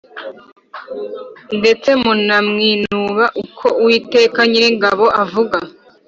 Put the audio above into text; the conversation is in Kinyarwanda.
ndetse murawinuba ni ko Uwiteka Nyiringabo avuga